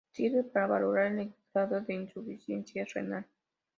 Sirve para valorar el grado de insuficiencia renal.